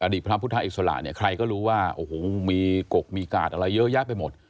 อดีตพระธามพุทธศักดิ์อิกษลาฯใครก็รู้มีกกมีกาดอะไรเยอะแยะไปหมด